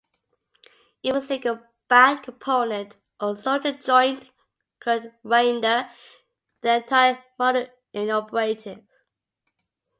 Even a single bad component or solder joint could render the entire module inoperative.